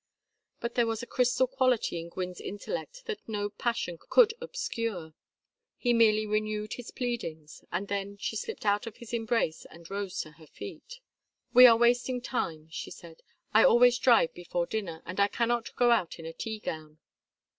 But there was a crystal quality in Gwynne's intellect that no passion could obscure. He merely renewed his pleadings; and then she slipped out of his embrace and rose to her feet. "We are wasting time," she said. "I always drive before dinner, and I cannot go out in a tea gown."